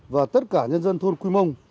và tất cả nhân dân thôn quy mông